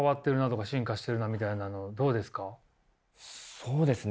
そうですね